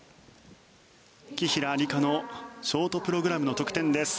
紀平梨花のショートプログラムの得点です。